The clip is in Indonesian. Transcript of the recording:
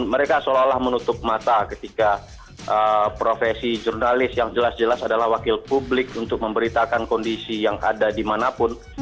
mereka seolah olah menutup mata ketika profesi jurnalis yang jelas jelas adalah wakil publik untuk memberitakan kondisi yang ada dimanapun